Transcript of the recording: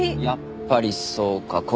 やっぱりそうか。